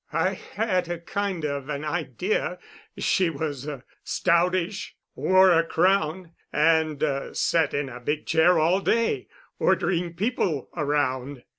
"I had a kind of an idea she was stoutish, wore a crown, and sat in a big chair all day, ordering people around."